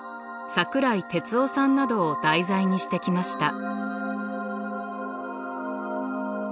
桜井哲夫さんなどを題材にしてきました。